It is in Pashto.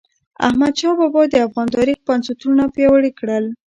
احمدشاه بااب د افغان تاریخ بنسټونه پیاوړي کړل.